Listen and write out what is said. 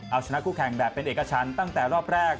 เอาชนะคู่แข่งแบบเป็นเอกชันตั้งแต่รอบแรก